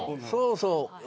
そうそう。